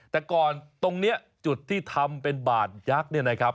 แต่ก่อนตรงนี้จุดที่ทำเป็นบาดยักษ์เนี่ยนะครับ